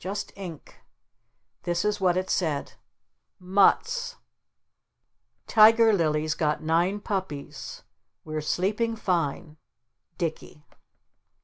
Just ink. This is what it said: "Mutts: Tiger Lily's got nine puppies. We're sleeping fine. Dicky."